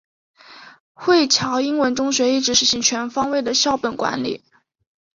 惠侨英文中学一直实行全方位的校本管理。